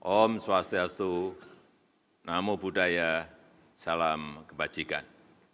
om swastiastu namo buddhaya salam kebajikan